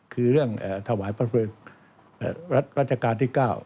คือเรื่องถวายพระเพลิงรัชกาลที่๙